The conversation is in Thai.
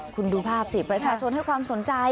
คุณดูภาพสิประชาชนให้ความสนใจ